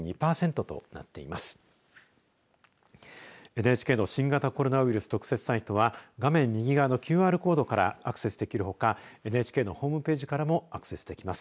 ＮＨＫの新型コロナウイルス特設サイトは画面右側のＱＲコードからアクセスできるほかＮＨＫのホームページからもアクセスできます。